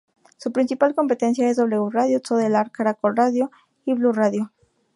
Su principal competencia es W Radio, Todelar, Caracol Radio y Blu Radio.